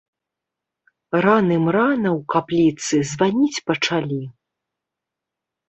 Раным-рана ў капліцы званіць пачалі.